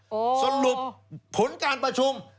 โอ้โหสรุปผลการประชุม